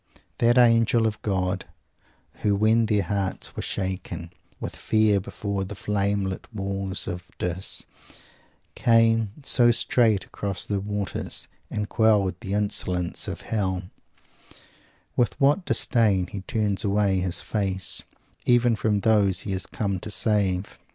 That Angel of God, who when their hearts were shaken with fear before the flame lit walls of Dis, came, so straight across the waters, and quelled the insolence of Hell; with what Disdain he turns away his face, even from those he has come to save!